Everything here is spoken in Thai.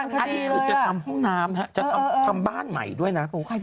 อันนี้คือจะทำห้องน้ำจะทำบ้านใหม่ด้วยนะ